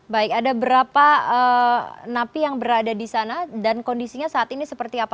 baik ada berapa napi yang berada di sana dan kondisinya saat ini seperti apa